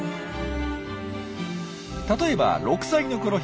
例えば６歳のころ